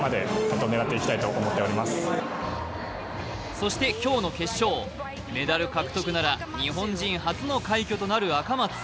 そして今日の決勝メダル獲得なら、日本人初の快挙となる赤松。